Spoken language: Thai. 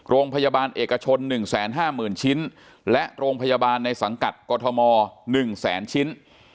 โรงพยาบาลเอกชน๑๕๐๐๐ชิ้นและโรงพยาบาลในสังกัดกรทม๑แสนชิ้น